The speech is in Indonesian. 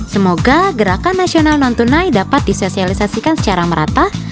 semoga gerakan nasional non tunai dapat disosialisasikan secara merata